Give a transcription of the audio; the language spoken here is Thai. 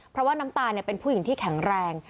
เพราะว่าน้ำตาลเป็นผู้หญิงที่แข็งแรง